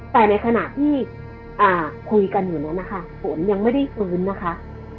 แต่ในขณะที่คุยกันอยู่นั้นนะคะฝนยังไม่ได้ฟื้นนะคะ